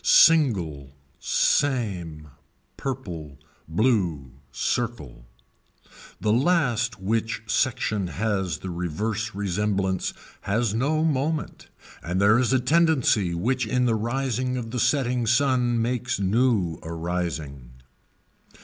Single, same, purple, blue, circle. The last which section has the reverse resemblance has no moment and there is a tendency which in the rising of the setting sun means new arising.